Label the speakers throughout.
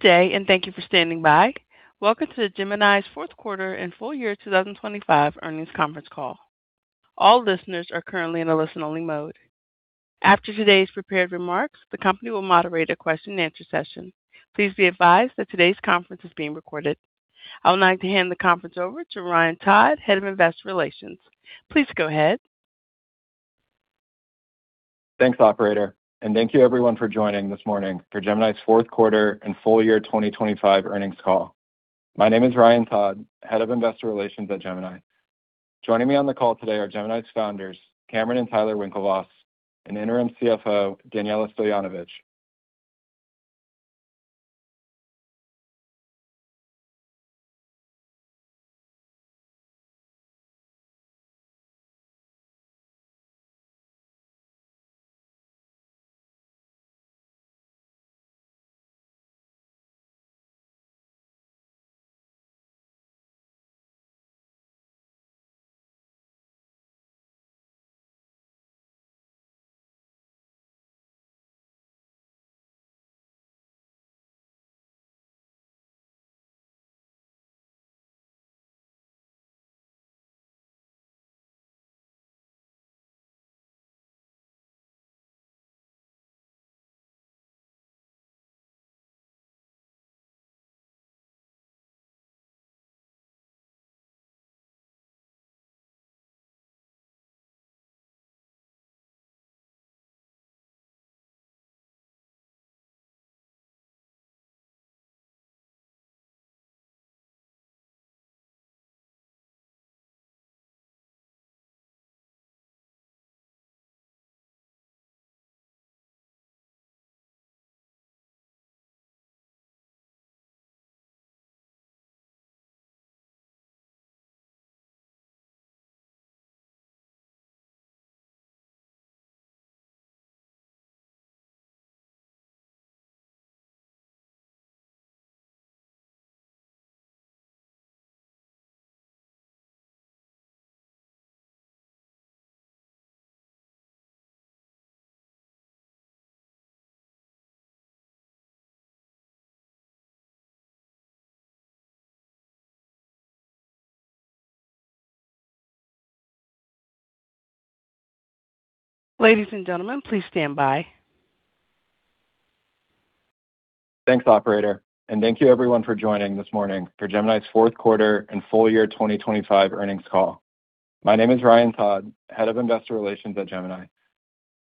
Speaker 1: day and thank you for standing by. Welcome to Gemini's fourth quarter and full year 2025 earnings conference call. All listeners are currently in a listen-only mode. After today's prepared remarks, the company will moderate a question and answer session. Please be advised that today's conference is being recorded. I would like to hand the conference over to Ryan Todd, Head of Investor Relations. Please go ahead.
Speaker 2: Thanks, operator, and thank you everyone for joining this morning for Gemini's fourth quarter and full year 2025 earnings call. My name is Ryan Todd, Head of Investor Relations at Gemini. Joining me on the call today are Gemini's founders, Cameron and Tyler Winklevoss, and Interim CFO, Danijela Stojanovic.
Speaker 1: Ladies and gentlemen, please stand by.
Speaker 2: Thanks, operator, and thank you everyone for joining this morning for Gemini's fourth quarter and full year 2025 earnings call. My name is Ryan Todd, Head of Investor Relations at Gemini.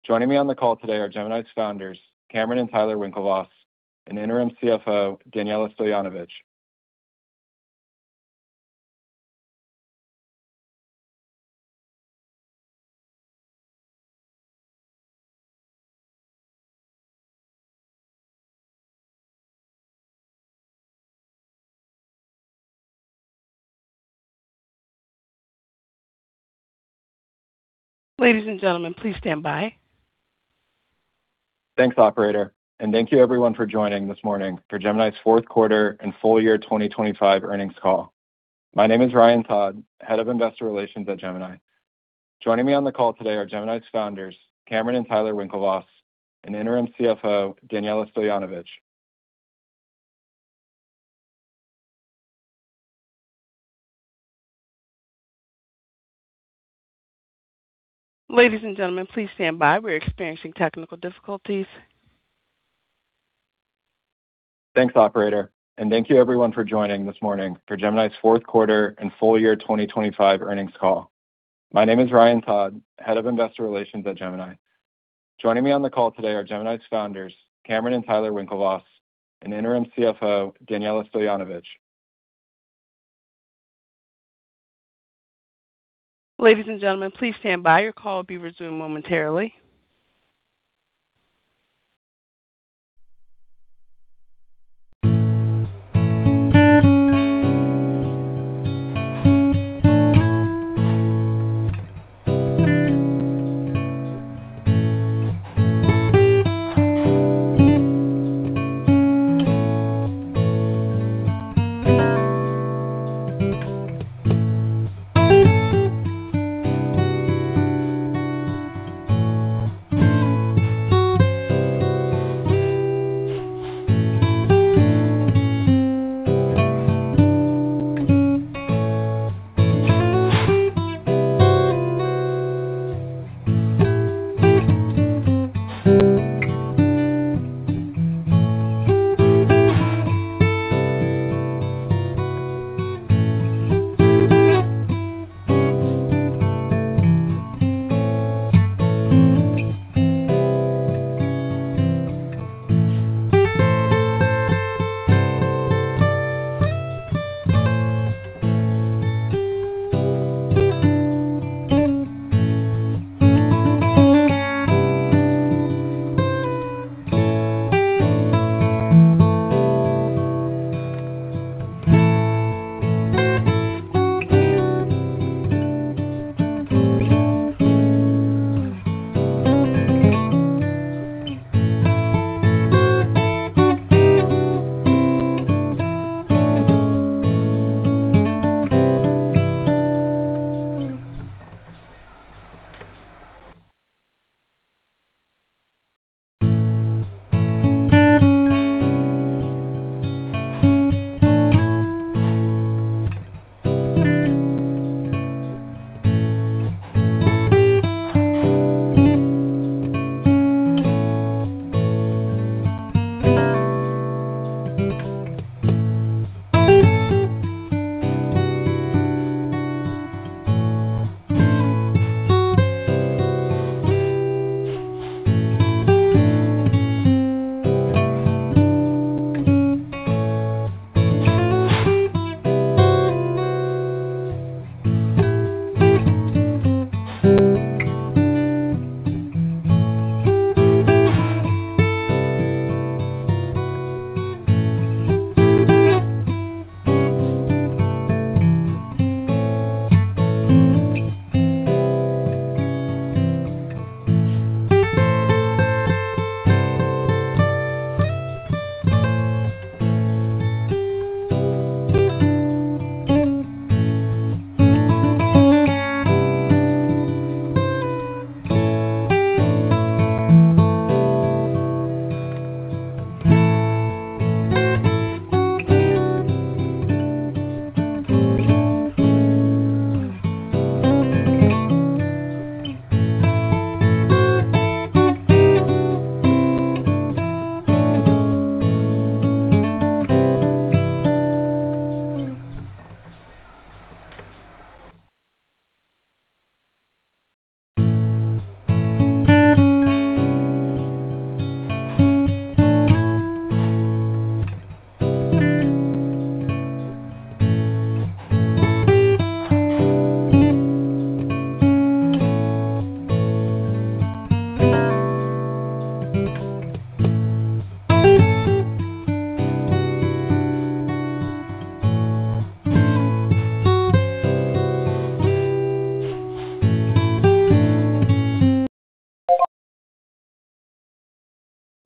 Speaker 2: Joining me on the call today are Gemini's founders, Cameron and Tyler Winklevoss, and Interim CFO, Danijela Stojanovic.
Speaker 1: Ladies and gentlemen, please stand by. We're experiencing technical difficulties.
Speaker 2: Thanks, operator, and thank you everyone for joining this morning for Gemini's fourth quarter and full year 2025 earnings call. My name is Ryan Todd, Head of Investor Relations at Gemini. Joining me on the call today are Gemini's founders, Cameron and Tyler Winklevoss, and Interim CFO, Danijela Stojanovic.
Speaker 1: Ladies and gentlemen, please stand by. Your call will be resumed momentarily.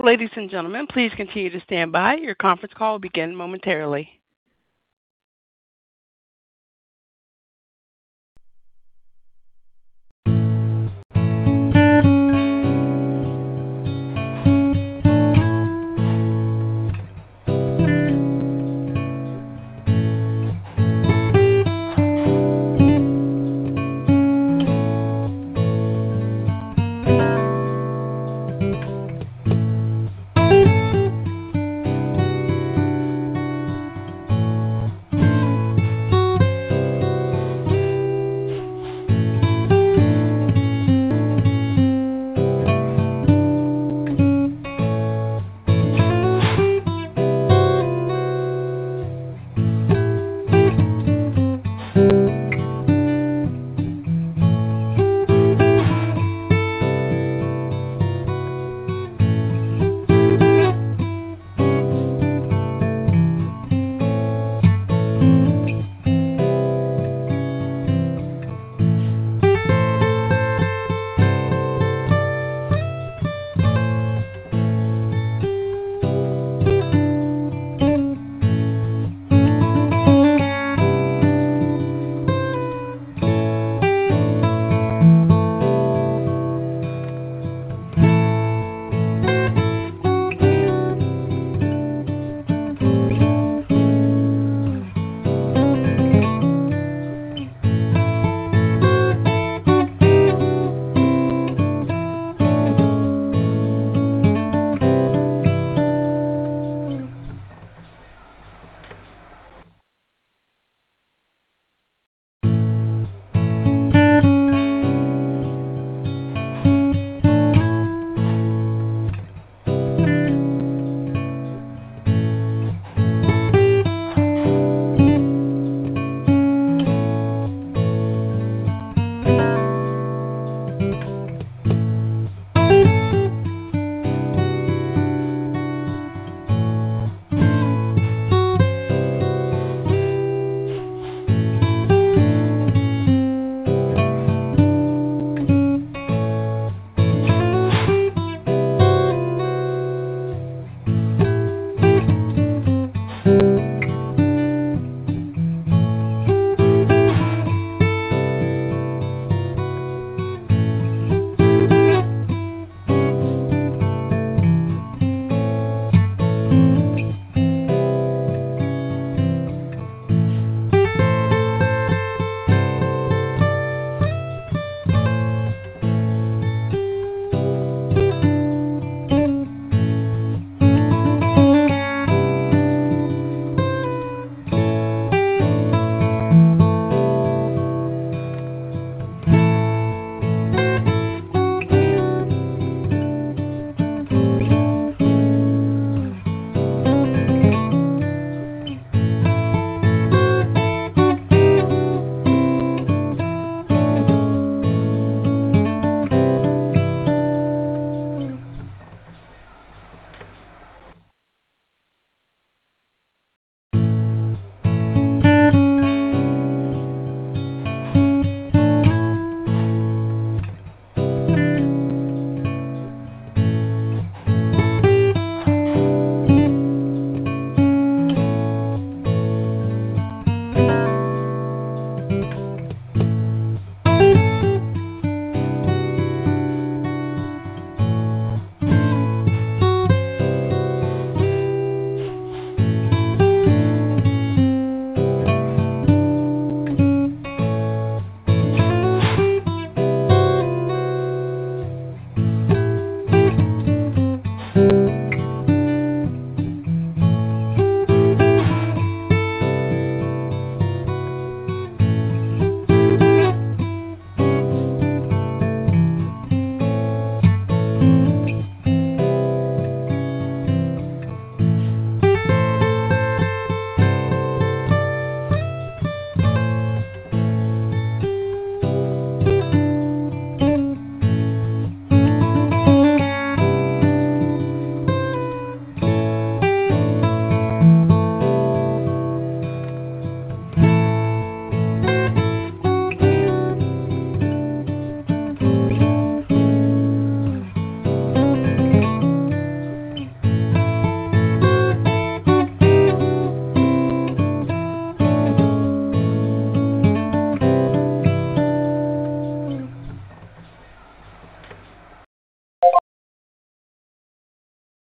Speaker 1: Ladies and gentlemen, please continue to stand by. Your conference call will begin momentarily.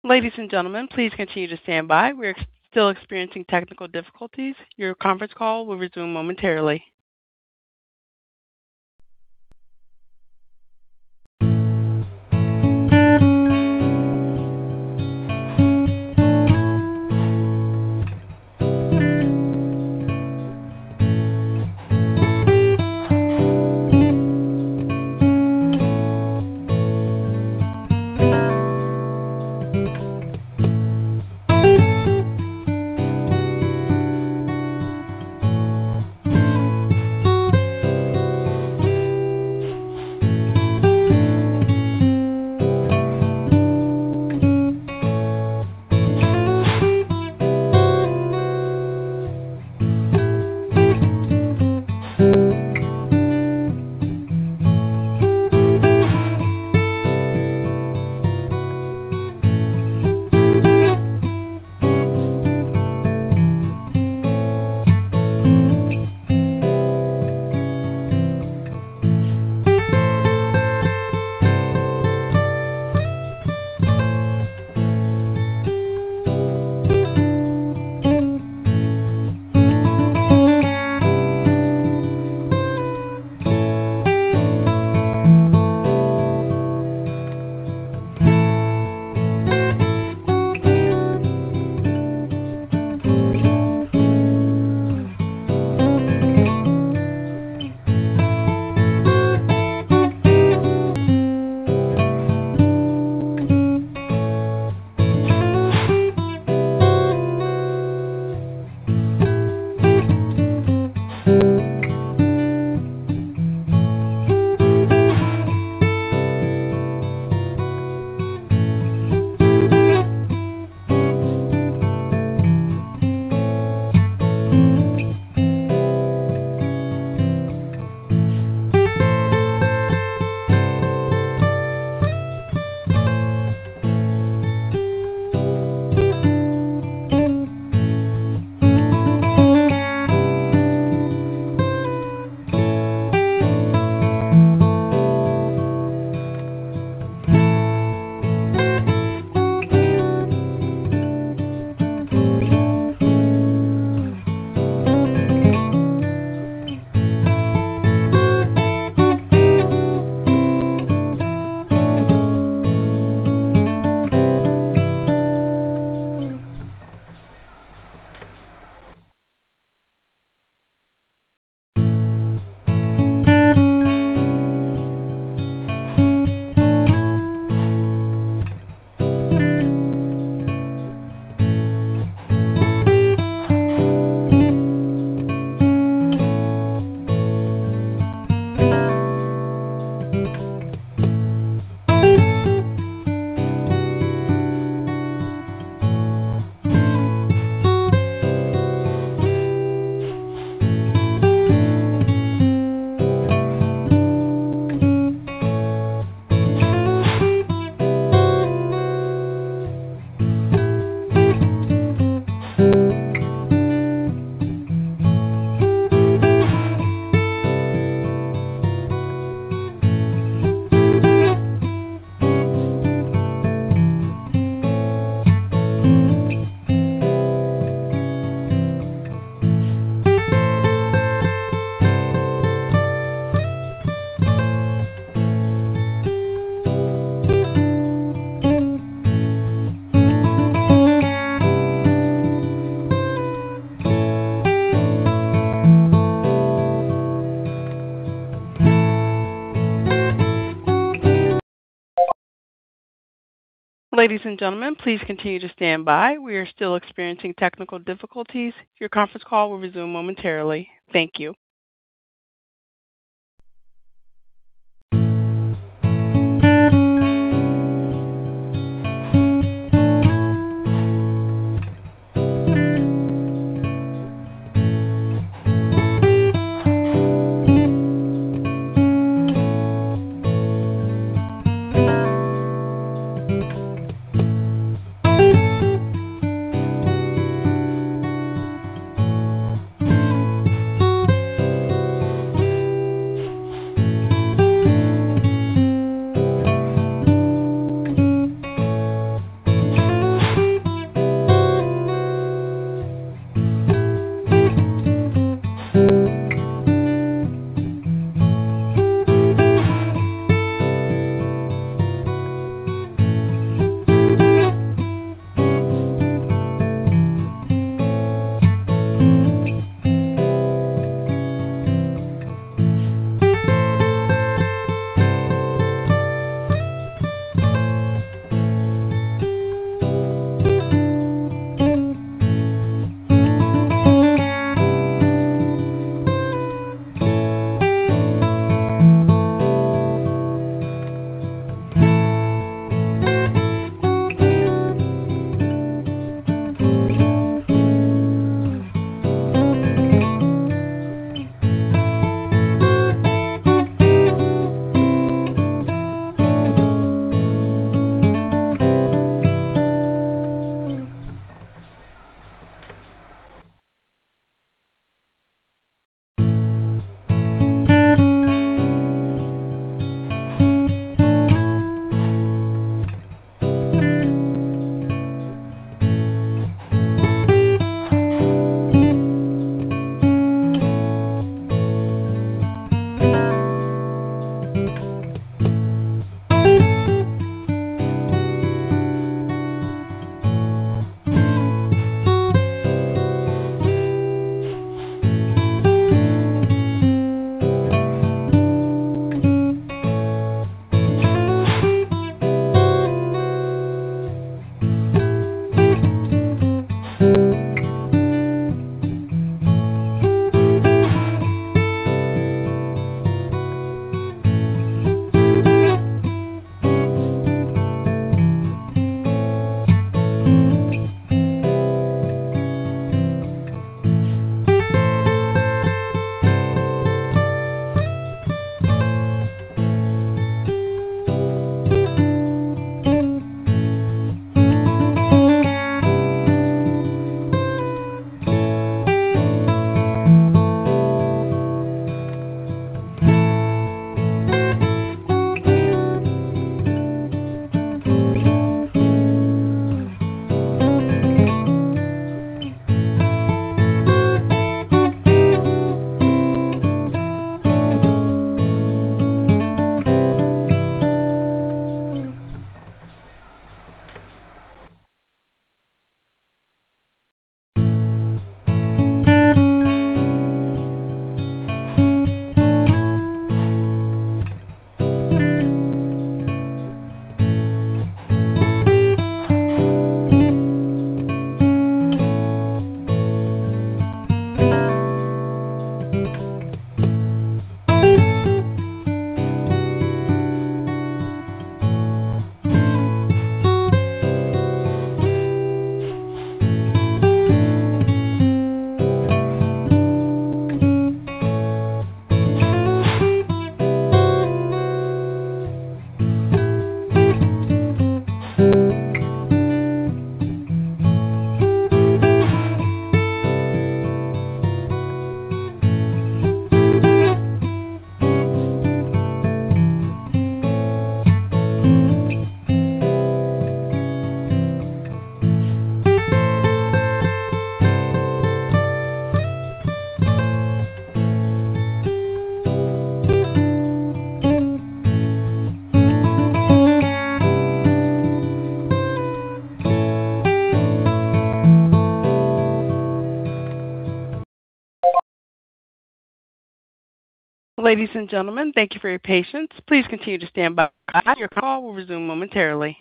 Speaker 1: Ladies and gentlemen, please continue to stand by. We're still experiencing technical difficulties. Your conference call will resume momentarily. Ladies and gentlemen, please continue to stand by. We are still experiencing technical difficulties. Your conference call will resume momentarily. Thank you. Ladies and gentlemen, thank you for your patience. Please continue to stand by. Your call will resume momentarily.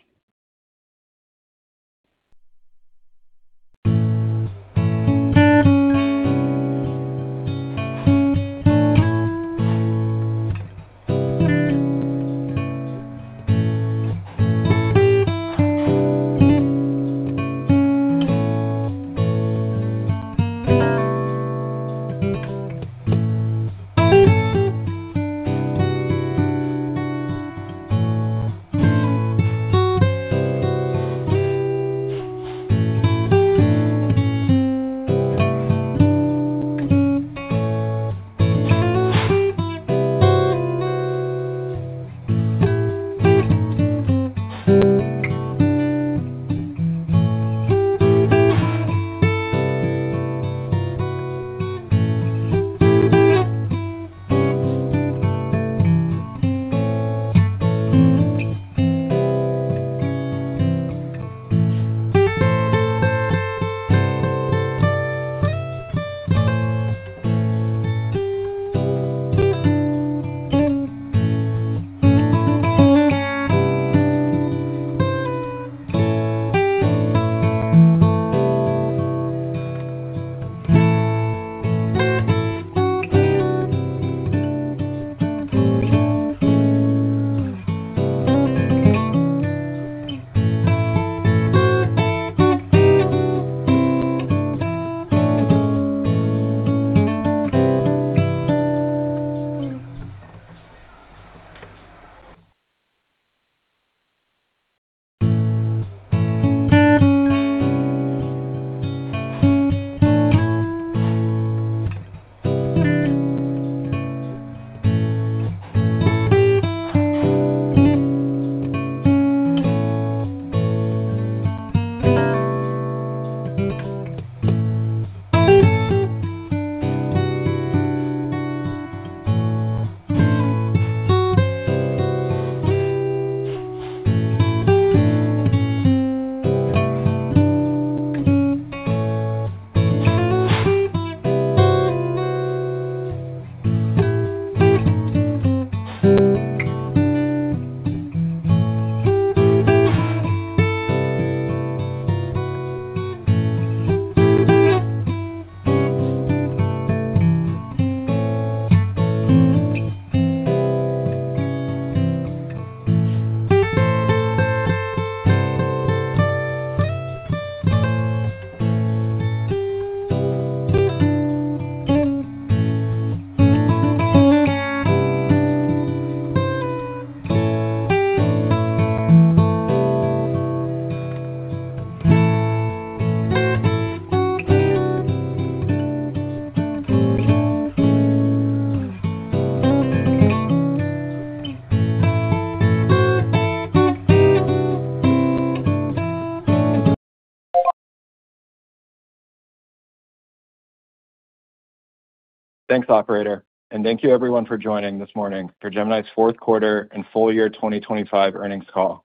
Speaker 2: Thanks, operator. Thank you everyone for joining this morning for Gemini's fourth quarter and full year 2025 earnings call.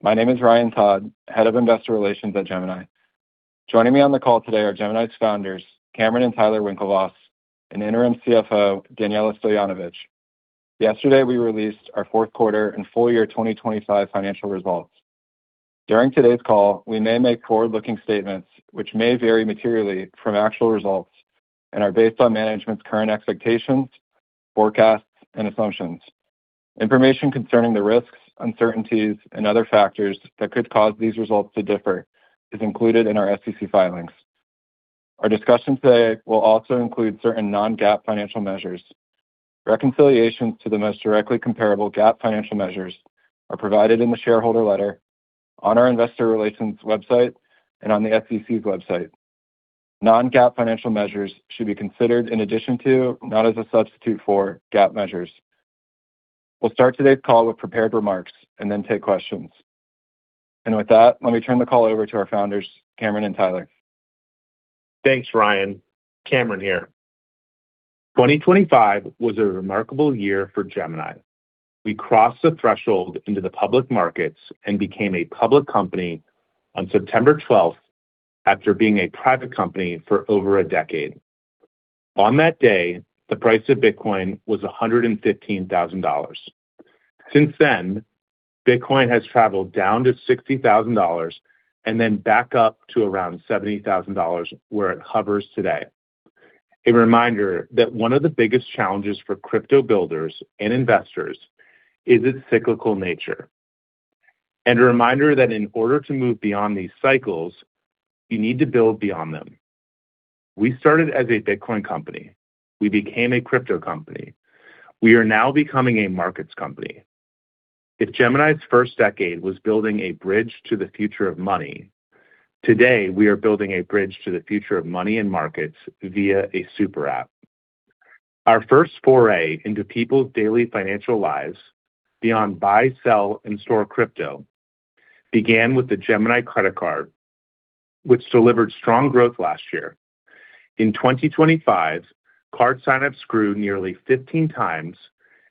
Speaker 2: My name is Ryan Todd, Head of Investor Relations at Gemini. Joining me on the call today are Gemini's founders, Cameron and Tyler Winklevoss, and Interim CFO, Danijela Stojanovic. Yesterday, we released our fourth quarter and full year 2025 financial results. During today's call, we may make forward-looking statements which may vary materially from actual results and are based on management's current expectations, forecasts, and assumptions. Information concerning the risks, uncertainties and other factors that could cause these results to differ is included in our SEC filings. Our discussion today will also include certain non-GAAP financial measures. Reconciliations to the most directly comparable GAAP financial measures are provided in the shareholder letter, on our investor relations website and on the SEC's website. Non-GAAP financial measures should be considered in addition to, not as a substitute for GAAP measures. We'll start today's call with prepared remarks and then take questions. With that, let me turn the call over to our founders, Cameron and Tyler.
Speaker 3: Thanks, Ryan. Cameron here. 2025 was a remarkable year for Gemini. We crossed the threshold into the public markets and became a public company on September 12, after being a private company for over a decade. On that day, the price of Bitcoin was $115,000. Since then, Bitcoin has traveled down to $60,000 and then back up to around $70,000, where it hovers today. A reminder that one of the biggest challenges for crypto builders and investors is its cyclical nature. A reminder that in order to move beyond these cycles, you need to build beyond them. We started as a Bitcoin company. We became a crypto company. We are now becoming a markets company. If Gemini's first decade was building a bridge to the future of money, today we are building a bridge to the future of money and markets via a super app. Our first foray into people's daily financial lives beyond buy, sell, and store crypto began with the Gemini Credit Card, which delivered strong growth last year. In 2025, card sign-ups grew nearly 15 times,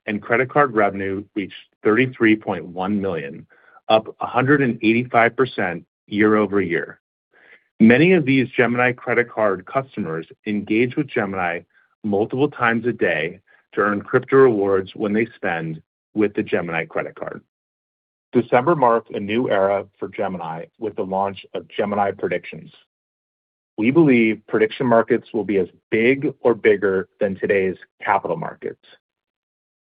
Speaker 3: and credit card revenue reached $33.1 million, up 185% year-over-year. Many of these Gemini Credit Card customers engage with Gemini multiple times a day to earn crypto rewards when they spend with the Gemini Credit Card. December marked a new era for Gemini with the launch of Gemini Predictions. We believe prediction markets will be as big or bigger than today's capital markets.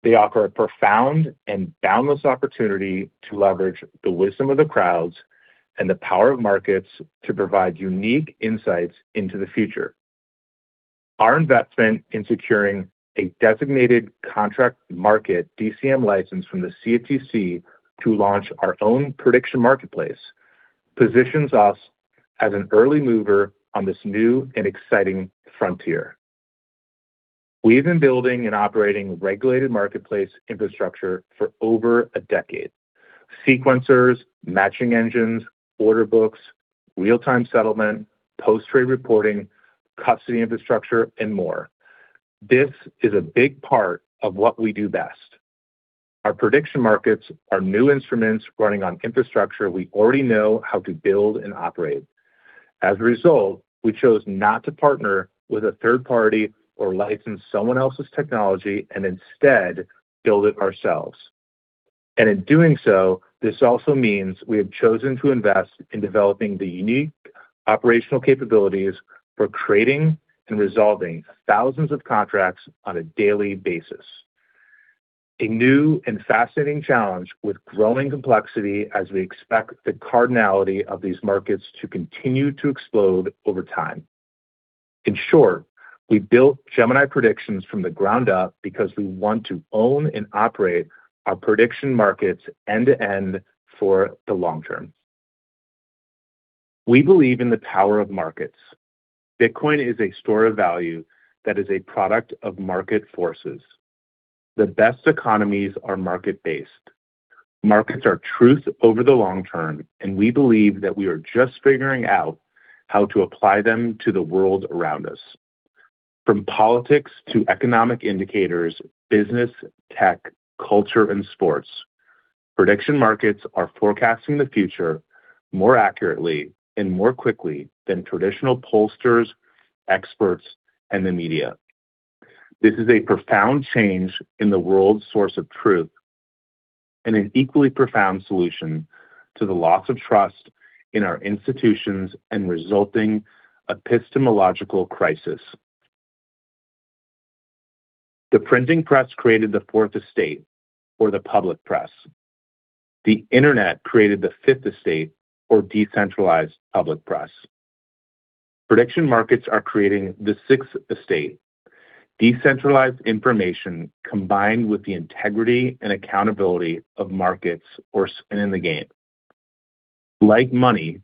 Speaker 3: They offer a profound and boundless opportunity to leverage the wisdom of the crowds and the power of markets to provide unique insights into the future. Our investment in securing a designated contract market DCM license from the CFTC to launch our own prediction marketplace positions us as an early mover on this new and exciting frontier. We've been building and operating regulated marketplace infrastructure for over a decade. Sequencers, matching engines, order books, real-time settlement, post-trade reporting, custody infrastructure, and more. This is a big part of what we do best. Our prediction markets are new instruments running on infrastructure we already know how to build and operate. As a result, we chose not to partner with a third party or license someone else's technology and instead build it ourselves. In doing so, this also means we have chosen to invest in developing the unique operational capabilities for creating and resolving thousands of contracts on a daily basis. A new and fascinating challenge with growing complexity as we expect the cardinality of these markets to continue to explode over time. In short, we built Gemini Predictions from the ground up because we want to own and operate our prediction markets end-to-end for the long term. We believe in the power of markets. Bitcoin is a store of value that is a product of market forces. The best economies are market-based. Markets are truth over the long term, and we believe that we are just figuring out how to apply them to the world around us. From politics to economic indicators, business, tech, culture, and sports, prediction markets are forecasting the future more accurately and more quickly than traditional pollsters, experts, and the media. This is a profound change in the world's source of truth and an equally profound solution to the loss of trust in our institutions and resulting epistemological crisis. The printing press created the fourth estate or the public press. The internet created the fifth estate or decentralized public press. Prediction markets are creating the sixth estate. Decentralized information combined with the integrity and accountability of markets or skin in the game. Like money,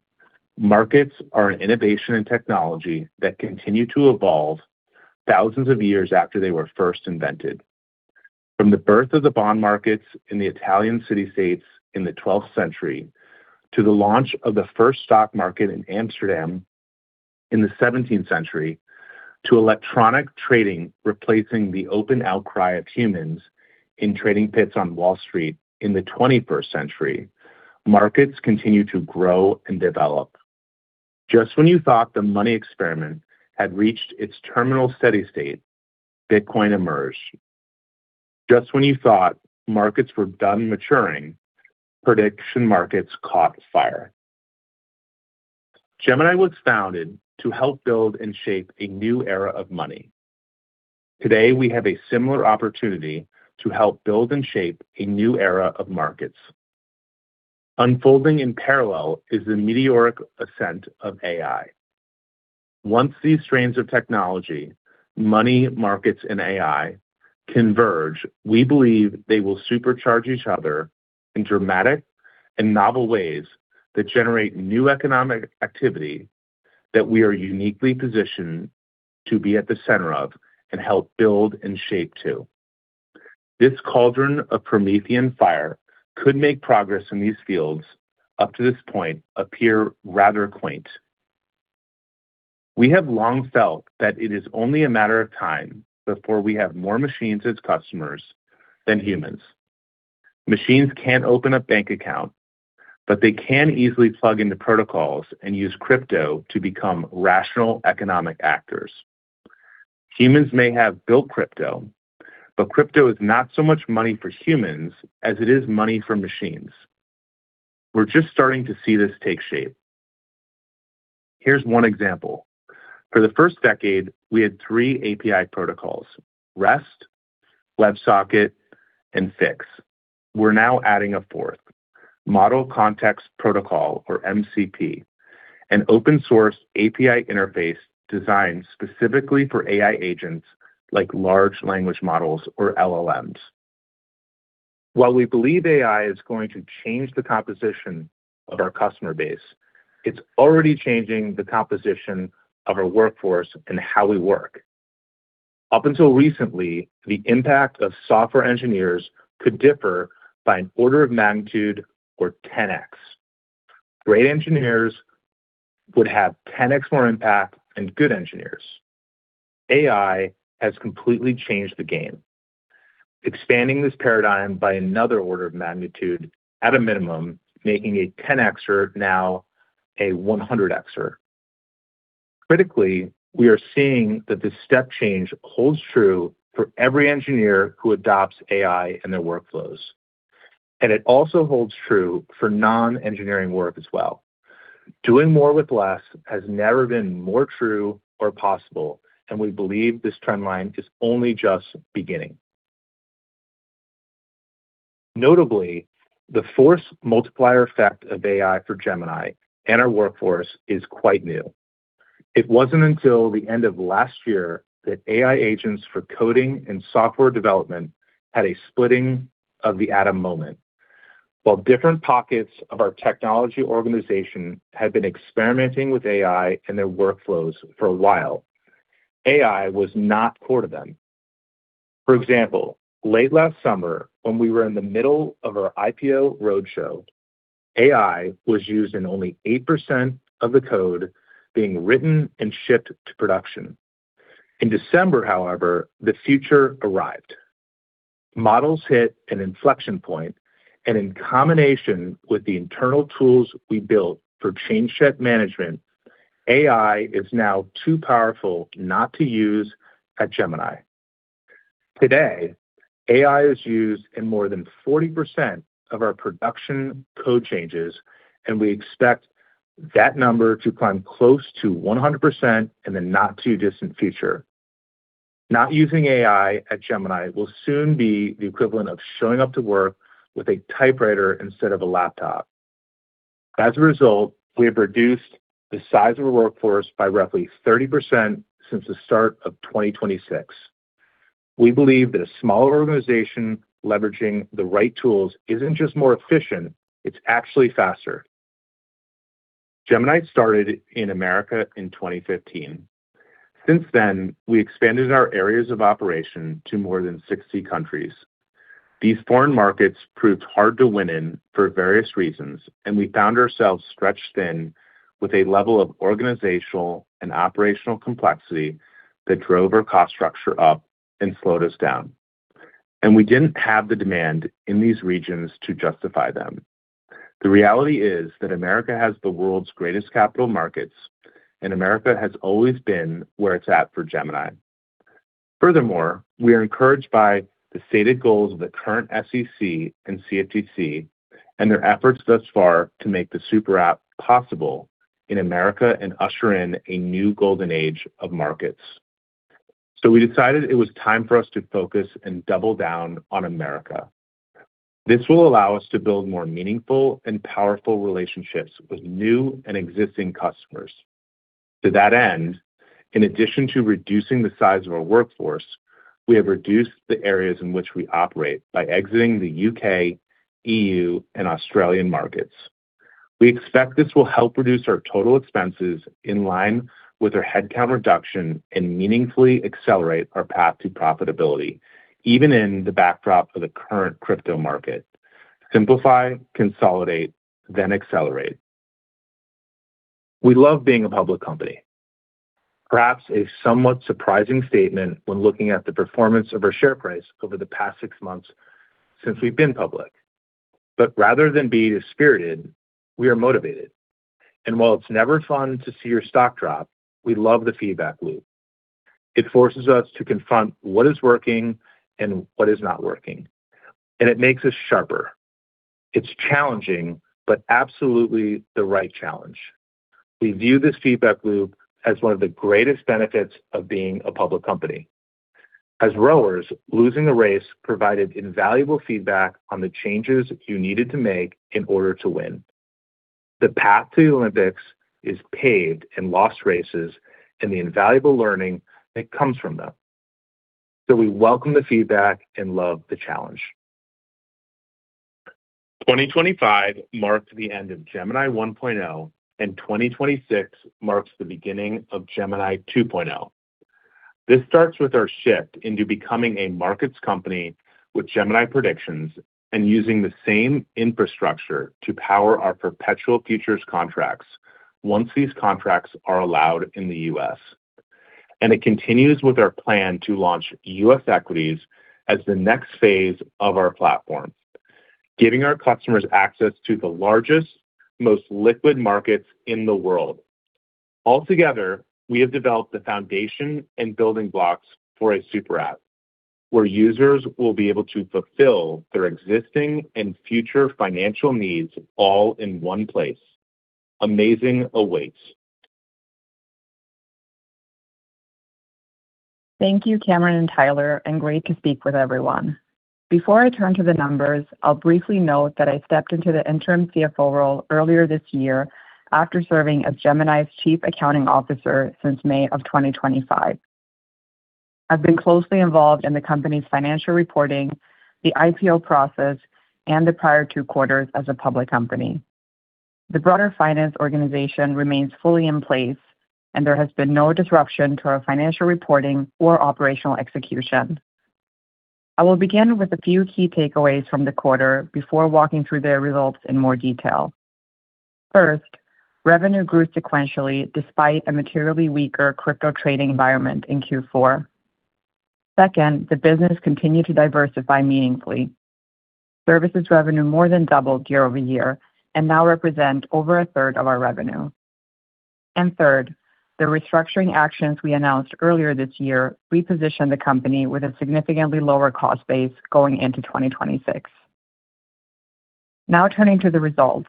Speaker 3: markets are an innovation in technology that continue to evolve thousands of years after they were first invented. From the birth of the bond markets in the Italian city-states in the twelfth century to the launch of the first stock market in Amsterdam in the seventeenth century to electronic trading replacing the open outcry of humans in trading pits on Wall Street in the twenty-first century, markets continue to grow and develop. Just when you thought the money experiment had reached its terminal steady state, Bitcoin emerged. Just when you thought markets were done maturing, prediction markets caught fire. Gemini was founded to help build and shape a new era of money. Today, we have a similar opportunity to help build and shape a new era of markets. Unfolding in parallel is the meteoric ascent of AI. Once these strains of technology, money, markets, and AI converge, we believe they will supercharge each other in dramatic and novel ways that generate new economic activity that we are uniquely positioned to be at the center of and help build and shape too. This cauldron of Promethean fire could make progress in these fields up to this point appear rather quaint. We have long felt that it is only a matter of time before we have more machines as customers than humans. Machines can't open a bank account, but they can easily plug into protocols and use crypto to become rational economic actors. Humans may have built crypto, but crypto is not so much money for humans as it is money for machines. We're just starting to see this take shape. Here's one example. For the first decade, we had three API protocols, REST, WebSocket, and FIX. We're now adding a fourth, Model Context Protocol, or MCP, an open source API interface designed specifically for AI agents like large language models or LLMs. While we believe AI is going to change the composition of our customer base, it's already changing the composition of our workforce and how we work. Up until recently, the impact of software engineers could differ by an order of magnitude or 10x. Great engineers would have 10x more impact than good engineers. AI has completely changed the game, expanding this paradigm by another order of magnitude at a minimum, making a 10x-er now a 100x-er. Critically, we are seeing that this step change holds true for every engineer who adopts AI in their workflows, and it also holds true for non-engineering work as well. Doing more with less has never been more true or possible, and we believe this trend line is only just beginning. Notably, the force multiplier effect of AI for Gemini and our workforce is quite new. It wasn't until the end of last year that AI agents for coding and software development had a splitting of the atom moment. While different pockets of our technology organization had been experimenting with AI and their workflows for a while, AI was not core to them. For example, late last summer when we were in the middle of our IPO roadshow, AI was used in only 8% of the code being written and shipped to production. In December, however, the future arrived. Models hit an inflection point, and in combination with the internal tools we built for change set management, AI is now too powerful not to use at Gemini. Today, AI is used in more than 40% of our production code changes, and we expect that number to climb close to 100% in the not-too-distant future. Not using AI at Gemini will soon be the equivalent of showing up to work with a typewriter instead of a laptop. As a result, we have reduced the size of our workforce by roughly 30% since the start of 2026. We believe that a smaller organization leveraging the right tools isn't just more efficient, it's actually faster. Gemini started in America in 2015. Since then, we expanded our areas of operation to more than 60 countries. These foreign markets proved hard to win in for various reasons, and we found ourselves stretched thin with a level of organizational and operational complexity that drove our cost structure up and slowed us down. We didn't have the demand in these regions to justify them. The reality is that America has the world's greatest capital markets, and America has always been where it's at for Gemini. Furthermore, we are encouraged by the stated goals of the current SEC and CFTC and their efforts thus far to make the super app possible in America and usher in a new golden age of markets. We decided it was time for us to focus and double down on America. This will allow us to build more meaningful and powerful relationships with new and existing customers. To that end, in addition to reducing the size of our workforce, we have reduced the areas in which we operate by exiting the UK, EU, and Australian markets. We expect this will help reduce our total expenses in line with our headcount reduction and meaningfully accelerate our path to profitability, even in the backdrop of the current crypto market. Simplify, consolidate, then accelerate. We love being a public company. Perhaps a somewhat surprising statement when looking at the performance of our share price over the past six months since we've been public. Rather than be dispirited, we are motivated. While it's never fun to see your stock drop, we love the feedback loop. It forces us to confront what is working and what is not working, and it makes us sharper. It's challenging, but absolutely the right challenge. We view this feedback loop as one of the greatest benefits of being a public company. As rowers, losing a race provided invaluable feedback on the changes you needed to make in order to win. The path to the Olympics is paved in lost races and the invaluable learning that comes from them. We welcome the feedback and love the challenge. 2025 marked the end of Gemini 1.0, and 2026 marks the beginning of Gemini 2.0. This starts with our shift into becoming a markets company with Gemini Predictions and using the same infrastructure to power our perpetual futures contracts once these contracts are allowed in the U.S. It continues with our plan to launch U.S. equities as the next phase of our platform, giving our customers access to the largest, most liquid markets in the world. Altogether, we have developed the foundation and building blocks for a super app where users will be able to fulfill their existing and future financial needs all in one place. Amazing awaits.
Speaker 4: Thank you, Cameron and Tyler, and great to speak with everyone. Before I turn to the numbers, I'll briefly note that I stepped into the interim CFO role earlier this year after serving as Gemini's Chief Accounting Officer since May of 2025. I've been closely involved in the company's financial reporting, the IPO process, and the prior two quarters as a public company. The broader finance organization remains fully in place, and there has been no disruption to our financial reporting or operational execution. I will begin with a few key takeaways from the quarter before walking through their results in more detail. First, revenue grew sequentially despite a materially weaker crypto trading environment in Q4. Second, the business continued to diversify meaningfully. Services revenue more than doubled year-over-year and now represent over a third of our revenue. Third, the restructuring actions we announced earlier this year repositioned the company with a significantly lower cost base going into 2026. Now turning to the results.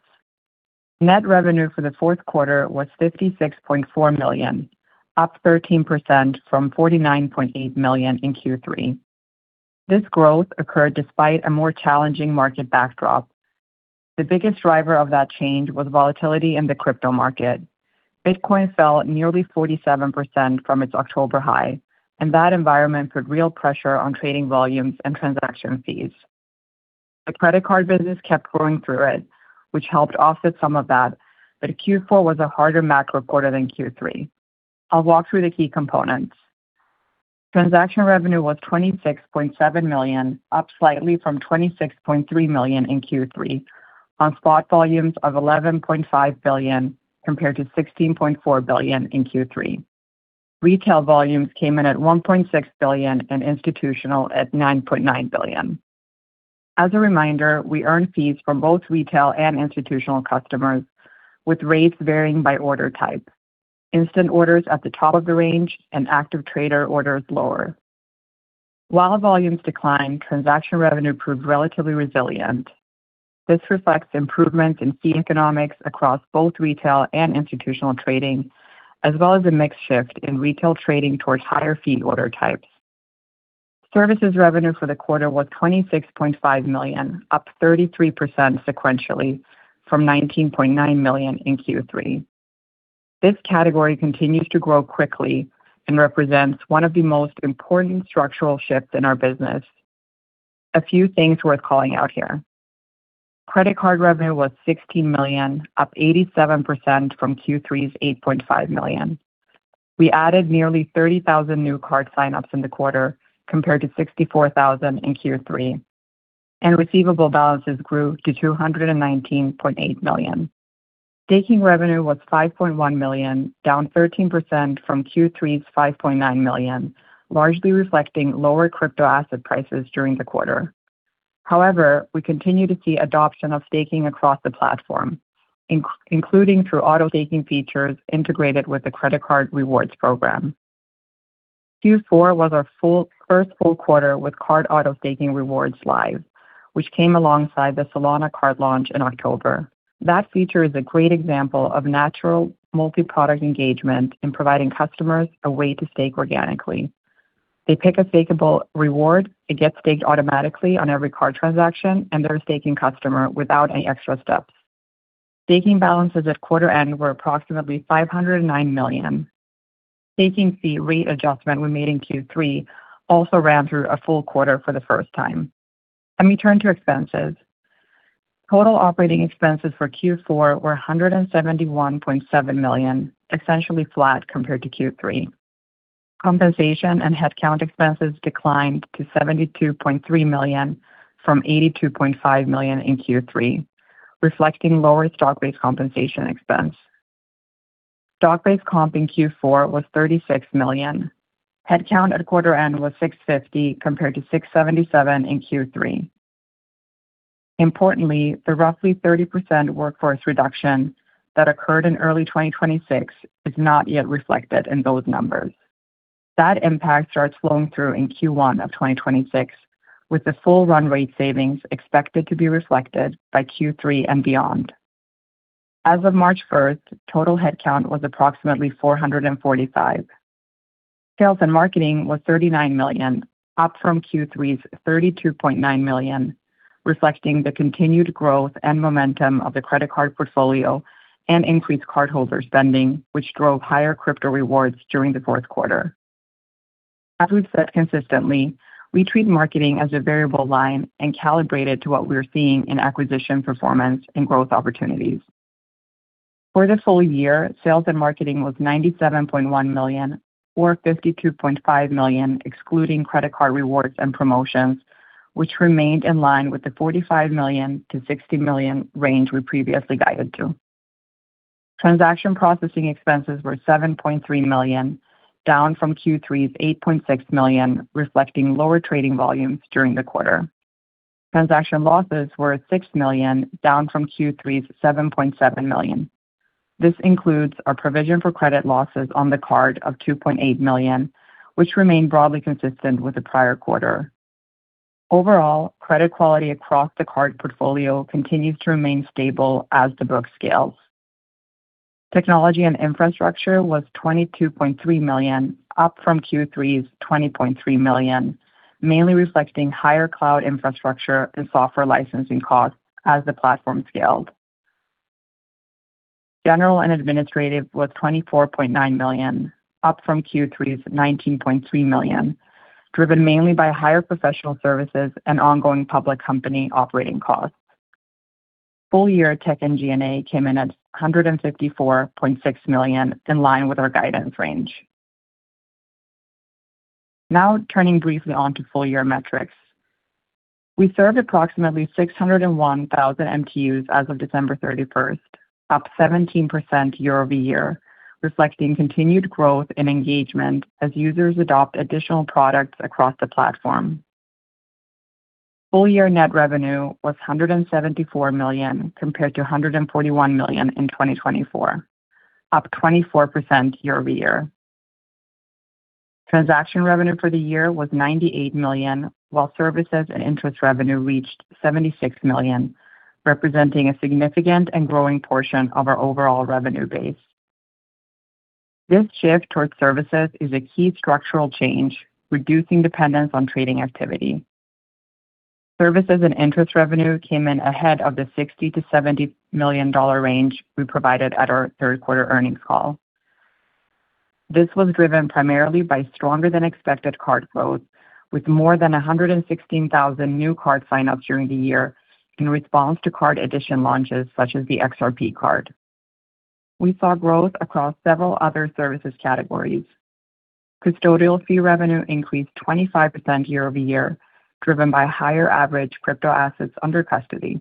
Speaker 4: Net revenue for the fourth quarter was $56.4 million, up 13% from $49.8 million in Q3. This growth occurred despite a more challenging market backdrop. The biggest driver of that change was volatility in the crypto market. Bitcoin fell nearly 47% from its October high, and that environment put real pressure on trading volumes and transaction fees. The credit card business kept growing through it, which helped offset some of that, but Q4 was a harder macro quarter than Q3. I'll walk through the key components. Transaction revenue was $26.7 million, up slightly from $26.3 million in Q3 on spot volumes of $11.5 billion compared to $16.4 billion in Q3. Retail volumes came in at $1.6 billion and institutional at $9.9 billion. As a reminder, we earn fees from both retail and institutional customers with rates varying by order type. Instant orders at the top of the range and active trader orders lower. While volumes declined, transaction revenue proved relatively resilient. This reflects improvement in fee economics across both retail and institutional trading, as well as a mix shift in retail trading towards higher fee order types. Services revenue for the quarter was $26.5 million, up 33% sequentially from $19.9 million in Q3. This category continues to grow quickly and represents one of the most important structural shifts in our business. A few things worth calling out here. Credit card revenue was $16 million, up 87% from Q3's $8.5 million. We added nearly 30,000 new card sign-ups in the quarter, compared to 64,000 in Q3, and receivable balances grew to $219.8 million. Staking revenue was $5.1 million, down 13% from Q3's $5.9 million, largely reflecting lower crypto asset prices during the quarter. However, we continue to see adoption of staking across the platform, including through auto-staking features integrated with the credit card rewards program. Q4 was our first full quarter with card auto-staking rewards live, which came alongside the Solana card launch in October. That feature is a great example of natural multi-product engagement in providing customers a way to stake organically. They pick a stakeable reward, it gets staked automatically on every card transaction, and they're a staking customer without any extra steps. Staking balances at quarter end were approximately $509 million. Staking fee rate adjustment we made in Q3 also ran through a full quarter for the first time. Let me turn to expenses. Total operating expenses for Q4 were $171.7 million, essentially flat compared to Q3. Compensation and headcount expenses declined to $72.3 million from $82.5 million in Q3, reflecting lower stock-based compensation expense. Stock-based comp in Q4 was $36 million. Headcount at quarter end was 650 compared to 677 in Q3. Importantly, the roughly 30% workforce reduction that occurred in early 2026 is not yet reflected in those numbers. That impact starts flowing through in Q1 of 2026, with the full run rate savings expected to be reflected by Q3 and beyond. As of March 1, total headcount was approximately 445. Sales and marketing was $39 million, up from Q3's $32.9 million, reflecting the continued growth and momentum of the credit card portfolio and increased cardholder spending, which drove higher crypto rewards during the fourth quarter. As we've said consistently, we treat marketing as a variable line and calibrate it to what we're seeing in acquisition performance and growth opportunities. For the full year, sales and marketing was $97.1 million or $52.5 million, excluding credit card rewards and promotions, which remained in line with the $45 million-$60 million range we previously guided to. Transaction processing expenses were $7.3 million, down from Q3's $8.6 million, reflecting lower trading volumes during the quarter. Transaction losses were at $6 million, down from Q3's $7.7 million. This includes our provision for credit losses on the card of $2.8 million, which remain broadly consistent with the prior quarter. Overall, credit quality across the card portfolio continues to remain stable as the book scales. Technology and infrastructure was $22.3 million, up from Q3's $20.3 million, mainly reflecting higher cloud infrastructure and software licensing costs as the platform scaled. General and administrative was $24.9 million, up from Q3's $19.3 million, driven mainly by higher professional services and ongoing public company operating costs. Full year tech and G&A came in at $154.6 million, in line with our guidance range. Now turning briefly on to full year metrics. We served approximately 601,000 MTUs as of December 31st, up 17% year-over-year, reflecting continued growth and engagement as users adopt additional products across the platform. Full year net revenue was $174 million compared to $141 million in 2024, up 24% year-over-year. Transaction revenue for the year was $98 million, while services and interest revenue reached $76 million, representing a significant and growing portion of our overall revenue base. This shift towards services is a key structural change, reducing dependence on trading activity. Services and interest revenue came in ahead of the $60-$70 million range we provided at our third quarter earnings call. This was driven primarily by stronger than expected card growth, with more than 116,000 new card sign-ups during the year in response to card edition launches such as the XRP card. We saw growth across several other services categories. Custodial fee revenue increased 25% year-over-year, driven by higher average crypto assets under custody.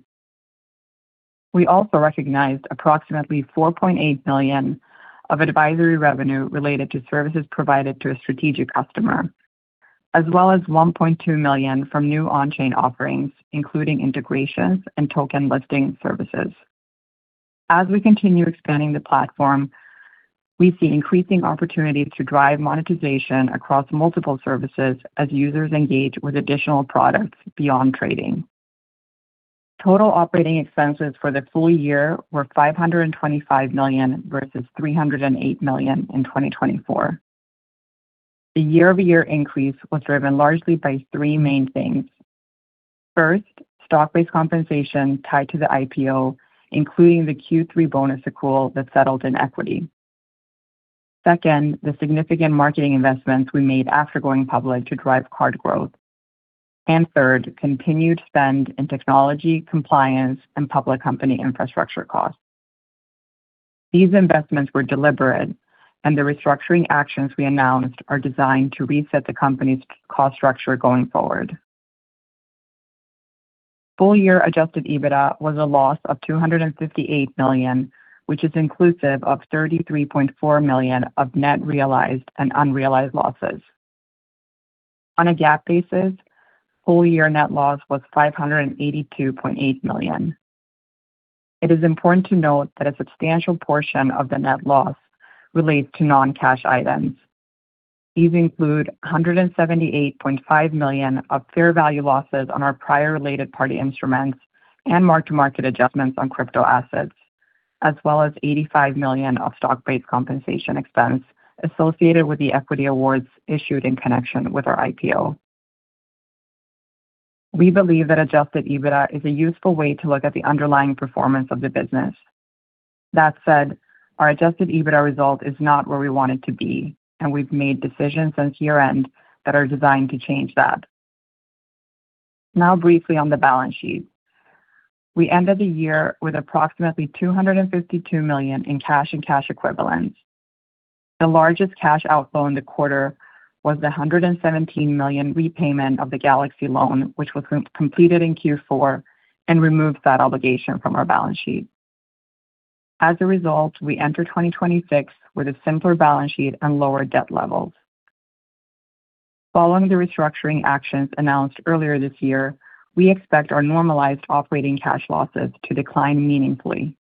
Speaker 4: We also recognized approximately $4.8 million of advisory revenue related to services provided to a strategic customer, as well as $1.2 million from new on-chain offerings, including integrations and token listing services. As we continue expanding the platform, we see increasing opportunities to drive monetization across multiple services as users engage with additional products beyond trading. Total operating expenses for the full year were $525 million versus $308 million in 2024. The year-over-year increase was driven largely by three main things. First, stock-based compensation tied to the IPO, including the Q3 bonus accrual that settled in equity. Second, the significant marketing investments we made after going public to drive card growth. And third, continued spend in technology, compliance, and public company infrastructure costs. These investments were deliberate, and the restructuring actions we announced are designed to reset the company's cost structure going forward. Full year Adjusted EBITDA was a loss of $258 million, which is inclusive of $33.4 million of net realized and unrealized losses. On a GAAP basis, full year net loss was $582.8 million. It is important to note that a substantial portion of the net loss relates to non-cash items. These include $178.5 million of fair value losses on our prior related party instruments and mark-to-market adjustments on crypto assets, as well as $85 million of stock-based compensation expense associated with the equity awards issued in connection with our IPO. We believe that Adjusted EBITDA is a useful way to look at the underlying performance of the business. That said, our Adjusted EBITDA result is not where we want it to be, and we've made decisions since year-end that are designed to change that. Now briefly on the balance sheet. We ended the year with approximately $252 million in cash and cash equivalents. The largest cash outflow in the quarter was the $117 million repayment of the Galaxy loan, which was completed in Q4 and removed that obligation from our balance sheet. As a result, we enter 2026 with a simpler balance sheet and lower debt levels. Following the restructuring actions announced earlier this year, we expect our normalized operating cash losses to decline meaningfully.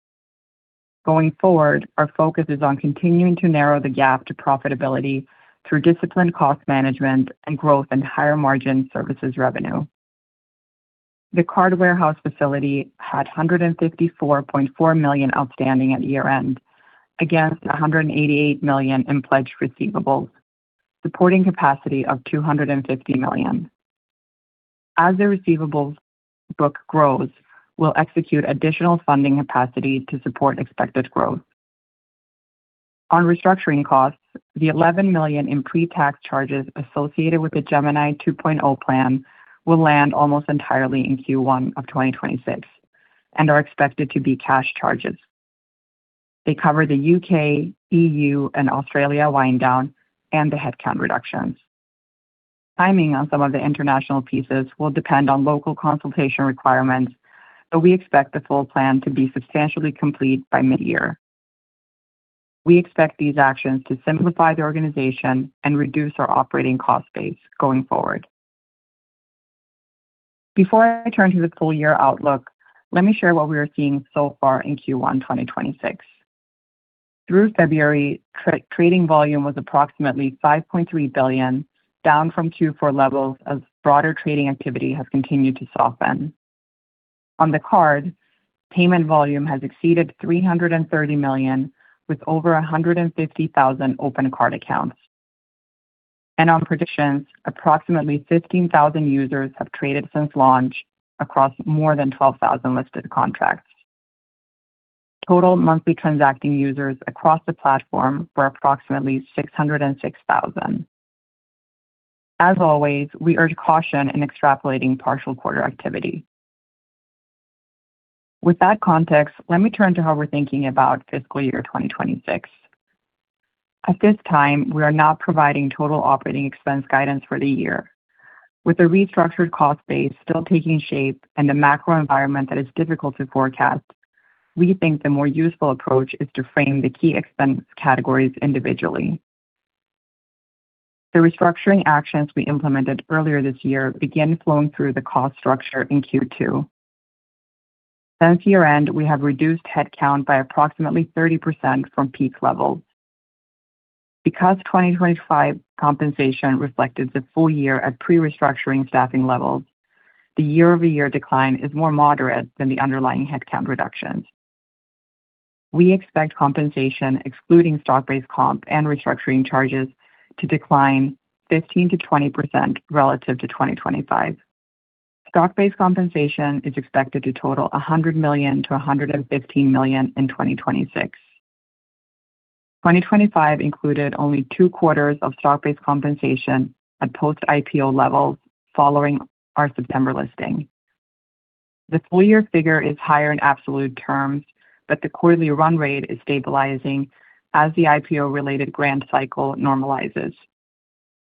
Speaker 4: Going forward, our focus is on continuing to narrow the gap to profitability through disciplined cost management and growth in higher margin services revenue. The card warehouse facility had $154.4 million outstanding at year-end against a $188 million in pledged receivables, supporting capacity of $250 million. As the receivables book grows, we'll execute additional funding capacity to support expected growth. On restructuring costs, the $11 million in pre-tax charges associated with the Gemini 2.0 plan will land almost entirely in Q1 of 2026 and are expected to be cash charges. They cover the UK, EU, and Australia wind down and the headcount reductions. Timing on some of the international pieces will depend on local consultation requirements, but we expect the full plan to be substantially complete by mid-year. We expect these actions to simplify the organization and reduce our operating cost base going forward. Before I turn to the full year outlook, let me share what we are seeing so far in Q1 2026. Through February, trading volume was approximately $5.3 billion, down from Q4 levels as broader trading activity has continued to soften. On the card, payment volume has exceeded $330 million with over 150,000 open card accounts. On predictions, approximately 15,000 users have traded since launch across more than 12,000 listed contracts. Total monthly transacting users across the platform were approximately 606,000. As always, we urge caution in extrapolating partial quarter activity. With that context, let me turn to how we're thinking about fiscal year 2026. At this time, we are not providing total operating expense guidance for the year. With the restructured cost base still taking shape and a macro environment that is difficult to forecast, we think the more useful approach is to frame the key expense categories individually. The restructuring actions we implemented earlier this year began flowing through the cost structure in Q2. Since year-end, we have reduced headcount by approximately 30% from peak levels. Because 2025 compensation reflected the full year at pre-restructuring staffing levels, the year-over-year decline is more moderate than the underlying headcount reductions. We expect compensation excluding stock-based comp and restructuring charges to decline 15%-20% relative to 2025. Stock-based compensation is expected to total $100 million-$115 million in 2026. 2025 included only two quarters of stock-based compensation at post-IPO levels following our September listing. The full year figure is higher in absolute terms, but the quarterly run rate is stabilizing as the IPO-related grant cycle normalizes.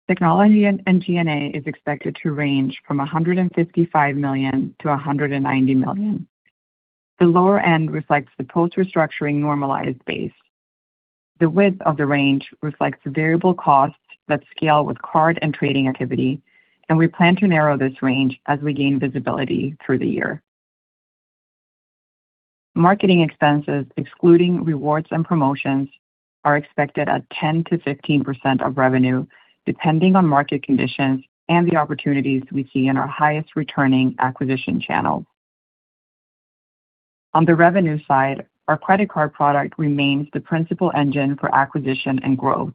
Speaker 4: Technology and G&A is expected to range from $155 million-$190 million. The lower end reflects the post-restructuring normalized base. The width of the range reflects variable costs that scale with card and trading activity, and we plan to narrow this range as we gain visibility through the year. Marketing expenses, excluding rewards and promotions, are expected at 10%-15% of revenue, depending on market conditions and the opportunities we see in our highest returning acquisition channels. On the revenue side, our credit card product remains the principal engine for acquisition and growth.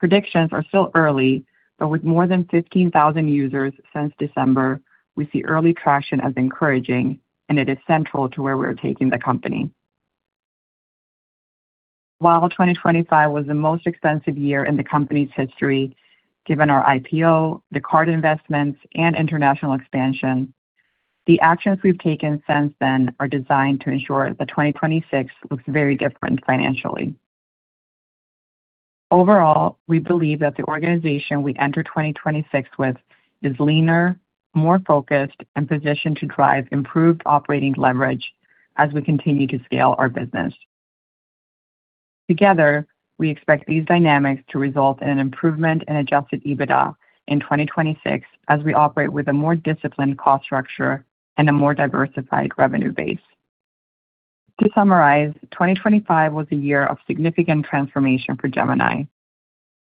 Speaker 4: Predictions are still early, but with more than 15,000 users since December, we see early traction as encouraging, and it is central to where we are taking the company. While 2025 was the most expensive year in the company's history, given our IPO, the card investments, and international expansion, the actions we've taken since then are designed to ensure that 2026 looks very different financially. Overall, we believe that the organization we enter 2026 with is leaner, more focused, and positioned to drive improved operating leverage as we continue to scale our business. Together, we expect these dynamics to result in an improvement in Adjusted EBITDA in 2026 as we operate with a more disciplined cost structure and a more diversified revenue base. To summarize, 2025 was a year of significant transformation for Gemini.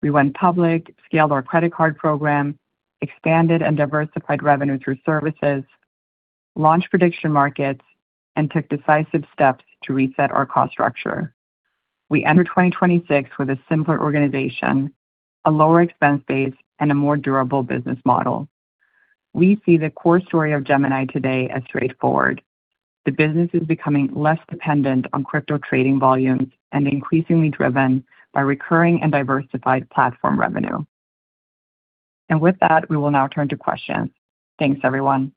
Speaker 4: We went public, scaled our credit card program, expanded and diversified revenue through services, launched prediction markets, and took decisive steps to reset our cost structure. We enter 2026 with a simpler organization, a lower expense base, and a more durable business model. We see the core story of Gemini today as straightforward. The business is becoming less dependent on crypto trading volumes and increasingly driven by recurring and diversified platform revenue. With that, we will now turn to questions. Thanks, everyone.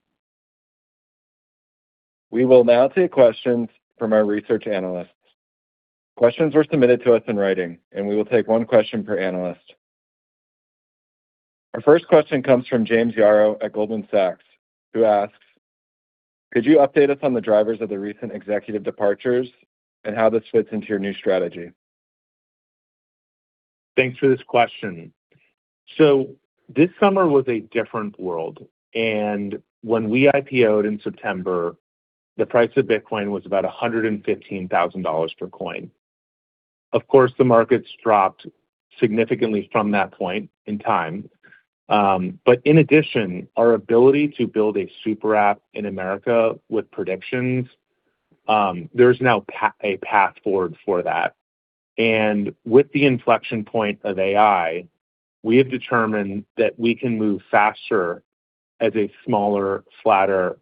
Speaker 2: We will now take questions from our research analysts. Questions were submitted to us in writing, and we will take one question per analyst. Our first question comes from James Yaro at Goldman Sachs, who asks, "Could you update us on the drivers of the recent executive departures and how this fits into your new strategy?
Speaker 3: Thanks for this question. This summer was a different world, and when we IPO'd in September, the price of Bitcoin was about $115,000 per coin. Of course, the markets dropped significantly from that point in time. But in addition, our ability to build a super app in America with predictions, there's now a path forward for that. With the inflection point of AI, we have determined that we can move faster as a smaller, flatter,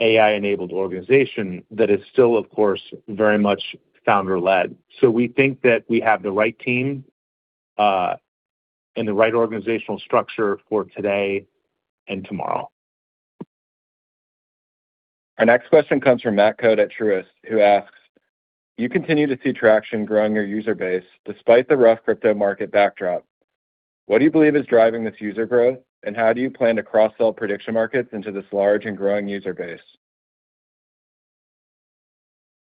Speaker 3: AI-enabled organization that is still, of course, very much founder-led. We think that we have the right team and the right organizational structure for today and tomorrow.
Speaker 2: Our next question comes from Matt Cote at Truist, who asks, "You continue to see traction growing your user base despite the rough crypto market backdrop. What do you believe is driving this user growth, and how do you plan to cross-sell prediction markets into this large and growing user base?